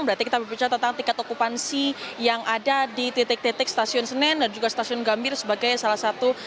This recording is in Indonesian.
berarti kita berbicara tentang tingkat okupansi yang ada di titik titik stasiun senen dan juga stasiun gambir sebagai salah satu